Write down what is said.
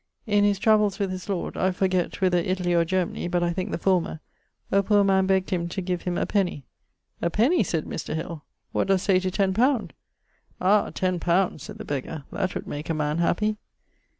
In his travells with his lord, (I forget whither Italy or Germany, but I thinke the former) a poor man begged him to give him a penny. 'A penny!' said Mr. Hill, 'what dost say to ten pound?' 'Ah! ten pound!' (said the beggar) 'that would make a man happy.'